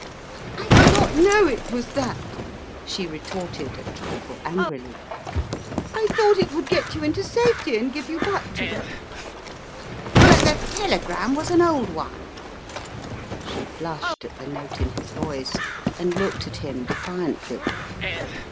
"I did not know it was that/ 9 she retorted a trifle angrily. "I thought it would get you into safety and give you back to her." "But the telegram was an old one." She blushed at the note in his voice, and looked at him defiantly.